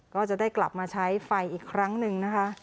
ก็จะได้กลับมาใช้ไฟอีกครั้งหนึ่งนะคะ